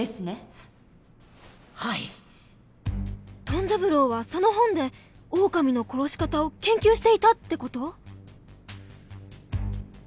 トン三郎はその本でオオカミの殺し方を研究していたって事？